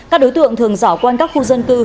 các đối tượng thường rảo quan các khu dân cư